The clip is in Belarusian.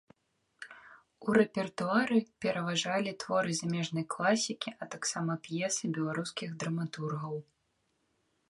У рэпертуары пераважалі творы замежнай класікі, а таксама п'есы беларускіх драматургаў.